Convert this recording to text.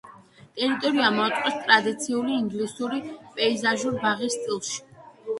ტერიტორია მოაწყვეს ტრადიციული ინგლისური პეიზაჟური ბაღის სტილში.